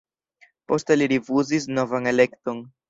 Poste li rifuzis novan elekton.